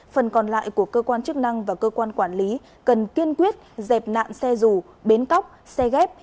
phần còn lại của cơ quan chức năng và cơ quan quản lý cần kiên quyết dẹp nạn xe dù bến cóc xe ghép